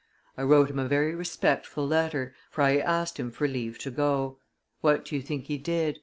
I wrote him a very respectful letter, for I asked him for leave to go. What do you think he did?